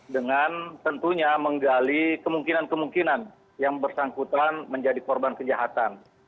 dengan tentunya menggali kemungkinan kemungkinan yang bersangkutan menjadi korban kejahatan